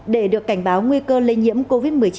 để được cảnh báo nguy cơ lây nhiễm covid một mươi chín